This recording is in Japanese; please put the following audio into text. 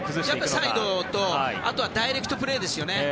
サイドとあとはダイレクトプレーですよね。